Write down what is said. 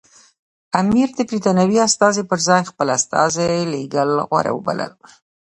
امیر د برټانوي استازي پر ځای خپل استازی لېږل غوره وبلل.